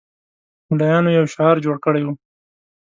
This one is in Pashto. ملایانو یو شعار جوړ کړی وو.